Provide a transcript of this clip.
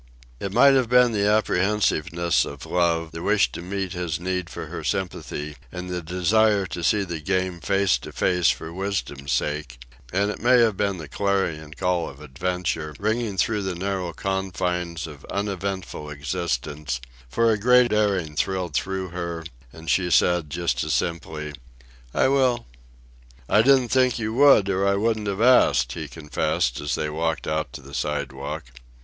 It may have been the apprehensiveness of love, the wish to meet his need for her sympathy, and the desire to see the Game face to face for wisdom's sake, and it may have been the clarion call of adventure ringing through the narrow confines of uneventful existence; for a great daring thrilled through her, and she said, just as simply, "I will." "I didn't think you would, or I wouldn't have asked," he confessed, as they walked out to the sidewalk.